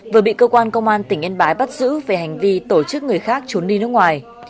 vừa bị cơ quan công an tỉnh yên bái bắt giữ về hành vi tổ chức người khác trốn đi nước ngoài